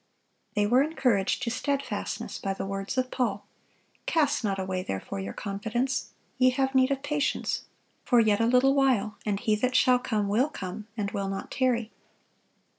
They were encouraged to steadfastness by the words of Paul, "Cast not away therefore your confidence;" "ye have need of patience," "for yet a little while, and He that shall come will come, and will not tarry."